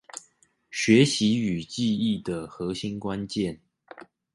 學習與記憶的核心關鍵